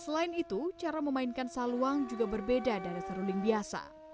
selain itu cara memainkan saluang juga berbeda dari seruling biasa